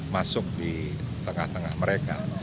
masuk di tengah tengah mereka